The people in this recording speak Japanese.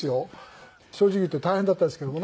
正直言って大変だったですけどもね。